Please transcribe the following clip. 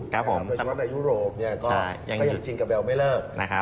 ยังจิงกะแบลไม่เลิก